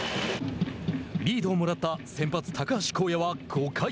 リードをもらった先発高橋昂也は５回。